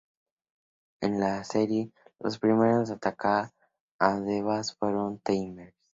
En la serie, los primeros en atacar a los Devas fueron los Tamers.